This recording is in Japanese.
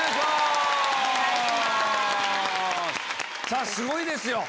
さぁすごいですよ！